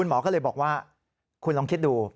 หมอก็เลยบอกว่าคุณลองคิดดู